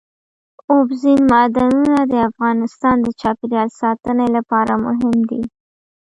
اوبزین معدنونه د افغانستان د چاپیریال ساتنې لپاره مهم دي.